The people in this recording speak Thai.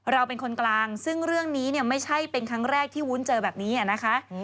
เราเป็นคนกลางซึ่งเรื่องนี้เนี่ยไม่ใช่เป็นครั้งแรกที่วุ้นเจอแบบนี้นะคะ